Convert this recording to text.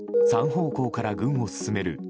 ３方向から軍を進める